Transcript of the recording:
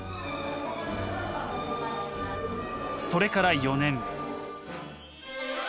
それから４年。